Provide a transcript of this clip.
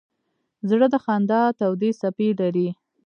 زړه د خندا تودې څپې لري.